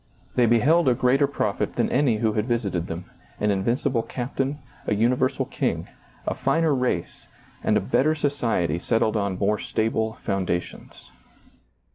They beheld a greater prophet than any who had visited them, an invincible captain, a universal ^lailizccbvGoOgle THE COMING TEMPLE 173 king, a finer race, and a better society settled on more stable foundations.